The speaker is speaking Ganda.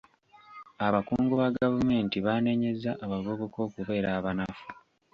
Abakungu ba gavumenti baanenyezza abavubuka okubeera abanafu.